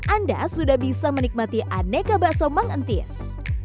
anda sudah bisa menikmati aneka bakso mang entis